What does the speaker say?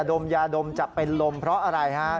ดมยาดมจะเป็นลมเพราะอะไรฮะ